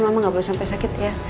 mama gak boleh sampai sakit ya